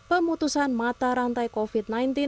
pemutusan mata rantai covid sembilan belas